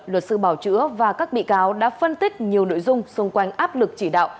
luật sư bảo chữa và các bị cáo đã phân tích nhiều nội dung xung quanh áp lực chỉ đạo